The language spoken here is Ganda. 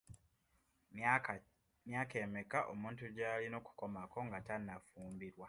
Myaka emeka omuntu gy'alina okukomako nga tannafumbirwa?